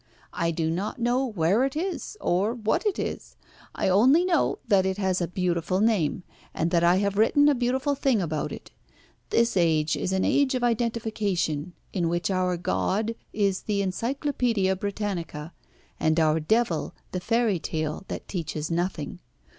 I do not know where it is, or what it is. I only know that it has a beautiful name, and that I have written a beautiful thing about it. This age is an age of identification, in which our god is the Encyclopædia Britannica, and our devil the fairy tale that teaches nothing.